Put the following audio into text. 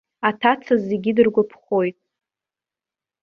Аҭаца зегьы дыргәаԥхоит.